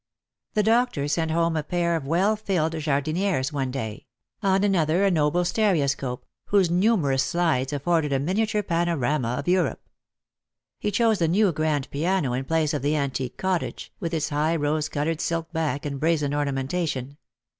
The doctor sent home a pair of well filled jardinieres one day ; on another a noble stereoscope, whose numerous slides afforded a miniature panorama of Europe. He chose a new grand piano in place ot the antique cottage, with its high rose coloured silk back and brazen ornamentation.